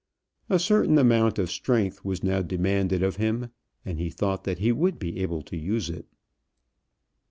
A certain amount of strength was now demanded of him, and he thought that he would be able to use it.